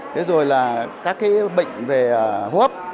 các bệnh về hô hấp